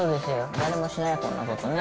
誰もしない、こんなことね。